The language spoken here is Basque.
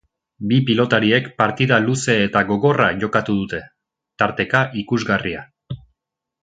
Bi pilotariek partida luze eta gogorra jokatu dute, tarteka ikusgarria.